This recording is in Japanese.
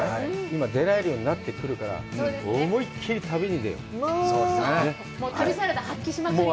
今に出られるようになってくるから思い切り旅に出よう。